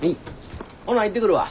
ほな行ってくるわ。